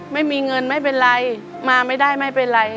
ไม่มีเงินไม่เป็นไรมาไม่ได้ไม่เป็นไร